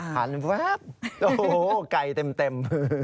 พันว๊า๊บโอ้โฮไก่เต็ม